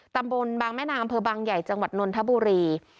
ตำบลบางแม่นางอำเภอบางใหญ่จังหวัดนนทบุรี